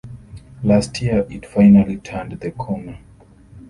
Last year it finally turned the corner.